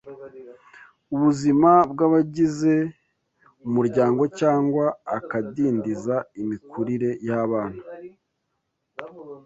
ubuzima bw’abagize umuryango cyangwa akadindiza imikurire y’abana